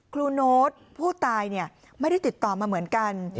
โน้ตผู้ตายไม่ได้ติดต่อมาเหมือนกัน